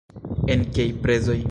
En kiaj prezoj?